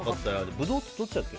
ブドウってどっちだっけ。